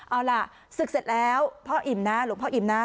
เอาล่ะศึกเสร็จแล้วพ่ออิ่มนะหลวงพ่ออิ่มนะ